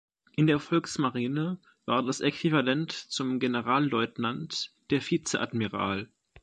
In der Volksmarine war das Äquivalent zum Generalleutnant der Vizeadmiral.